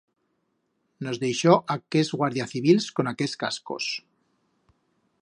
Nos deixó aquers guardia civils con aquers cascos.